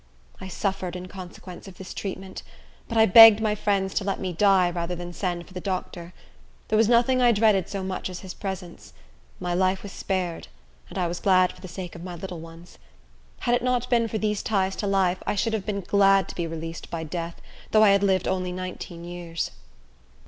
I suffered in consequence of this treatment; but I begged my friends to let me die, rather than send for the doctor. There was nothing I dreaded so much as his presence. My life was spared; and I was glad for the sake of my little ones. Had it not been for these ties to life, I should have been glad to be released by death, though I had lived only nineteen years.